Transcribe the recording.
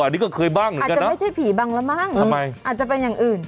อันนี้ก็เคยบ้างเหมือนกันนะอาจจะไม่ใช่ผีบังแล้วบ้างอืมอาจจะเป็นอย่างอื่น